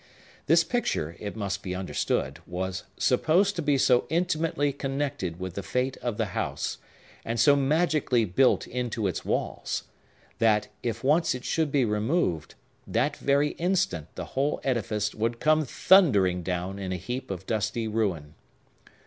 This picture, it must be understood, was supposed to be so intimately connected with the fate of the house, and so magically built into its walls, that, if once it should be removed, that very instant the whole edifice would come thundering down in a heap of dusty ruin.